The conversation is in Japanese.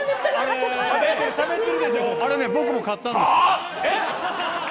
あれね、ぼくも買ったんですよ。